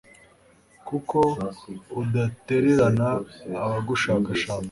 kuko udatererana abagushakashaka